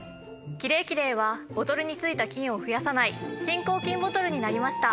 キレイキレイはボトルについた菌を増やさない新抗菌ボトルになりました。